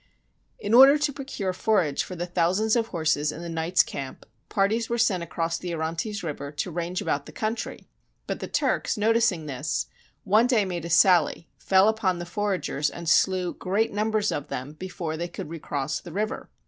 In order to procure forage for the thousands of horses in the knights' camp, parties were sent across the Orontes River to range about the country; but the Turks, noticing this, one day made a sally, fell upon the foragers, and slew great numbers of them before they could recross the river.